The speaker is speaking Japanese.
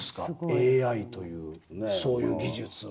ＡＩというそういう技術。